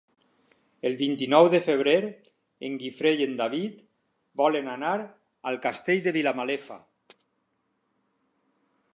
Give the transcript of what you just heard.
El vint-i-nou de febrer en Guifré i en David volen anar al Castell de Vilamalefa.